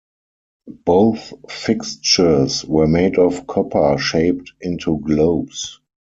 Both fixtures were made of copper shaped into globes.